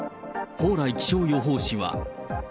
蓬莱気象予報士は。